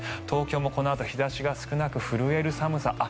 東京もこのあと日差しが少なく震える寒さ。